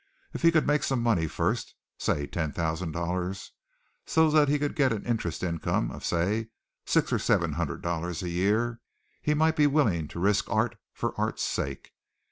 If he could make some money first, say ten thousand dollars, so that he could get an interest income of say six or seven hundred dollars a year, he might be willing to risk art for art's sake.